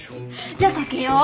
じゃあ賭けよう。